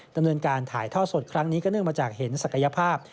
ดำเนินการถ่ายท่อสดครั้งนี้ก็เนื่องมาจากเห็นศักยภาพ